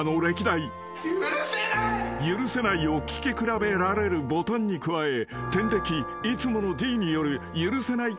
［「許せない！」を聞き比べられるボタンに加え天敵いつものＤによる「許せない！」